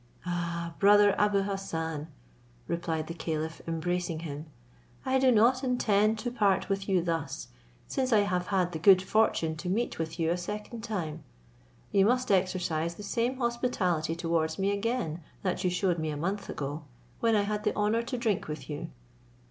"Ah! brother Abou Hassan," replied the caliph, embracing him, "I do not intend to part with you thus, since I have had the good fortune to meet with you a second time; you must exercise the same hospitality towards me again that you shewed me a month ago, when I had the honour to drink with you."